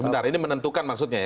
benar ini menentukan maksudnya ya